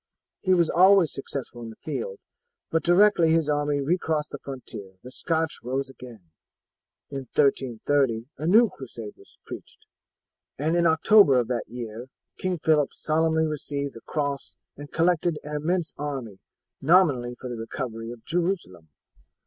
He was always successful in the field, but directly his army recrossed the frontier the Scotch rose again. In 1330 a new crusade was preached, and in October of that year King Phillip solemnly received the cross and collected an immense army nominally for the recovery of Jerusalem.